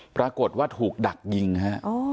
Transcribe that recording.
ปรากฏว่าถูกดักยิงฮะ